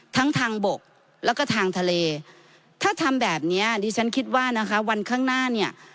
ทั้งทางบกแล้วก็ทางทะเลถ้าทำแบบนี้ดิฉันคิดว่านะคะวันข้างหน้าเนี่ย